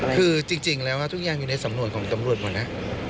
คือจริงแล้วทุกอย่างอยู่ในสำนวนของตำรวจหมดนะ